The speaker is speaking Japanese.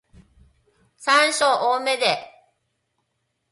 山椒多めで